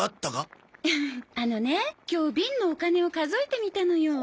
あのね今日ビンのお金を数えてみたのよ。